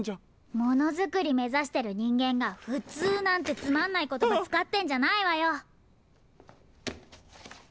ものづくりめざしてるにんげんがふつうなんてつまんないことばつかってんじゃないわよ。